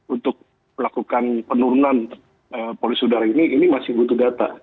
untuk melakukan penurunan polusi udara ini ini masih butuh data